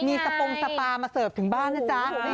มีสปงสปามาเสิร์ฟถึงบ้านนะจ๊ะ